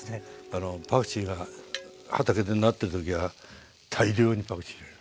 パクチーが畑でなってる時は大量にパクチー入れる。